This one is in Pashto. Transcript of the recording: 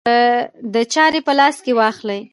د چارې په لاس کې واخلي.